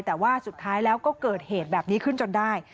แต่ว่าสุดท้ายแล้วก็เกิดเหตุแบบนี้ขึ้นจนได้